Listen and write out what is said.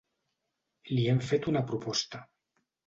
Li hem fet una proposta.